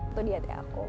tuh di hati aku